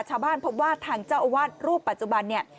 ชาวบ้านพบว่าทางเจ้าอาวาสรูปปัจจุบันเนี่ย